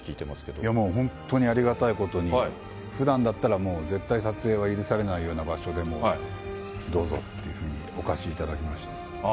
いや、もう、本当にありがたいことに、ふだんだったらもう絶対撮影は許されないような場所でも、どうぞっていうふうにお貸しいただきました。